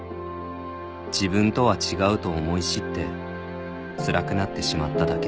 「自分とは違うと思い知ってつらくなってしまっただけ」